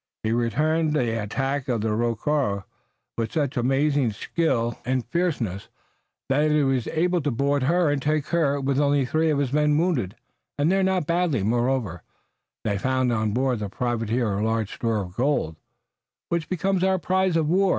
He returned the attack of the Rocroi with such amazing skill and fierceness that he was able to board her and take her, with only three of his men wounded and they not badly. Moreover, they found on board the privateer a large store of gold, which becomes our prize of war.